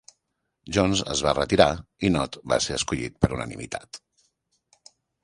Jones es va retirar i Knott va ser escollit per unanimitat.